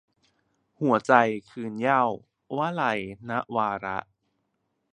หัวใจคืนเหย้า - วลัย นวาระ